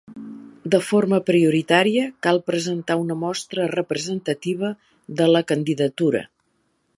De forma prioritària cal presentar una mostra representativa de la candidatura.